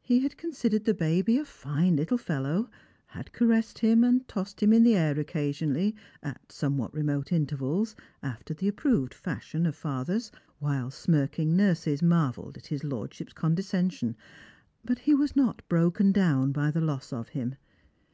He had considered the baby a fine little fellow, had caressed him, and tossed him in the air occasionally, at somewhat remote intervals, after the approved fashion of fathers, while smirking nurses marvelled at his lord ship's condescension ; but he was not broken down by the loss of him.